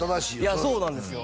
いやそうなんですよ